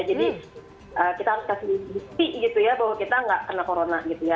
jadi kita harus kasih diisi gitu ya bahwa kita nggak kena corona gitu ya